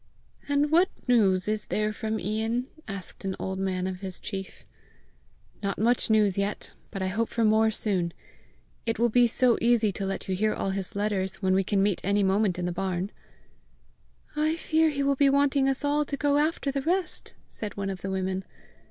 "And what news is there from Ian?" asked an old man of his chief. "Not much news yet, but I hope for more soon. It will be so easy to let you hear all his letters, when we can meet any moment in the barn!" "I fear he will be wanting us all to go after the rest!" said one of the women.